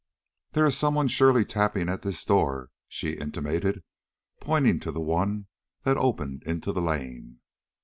"There is some one surely tapping at this door," she intimated, pointing to the one that opened into the lane.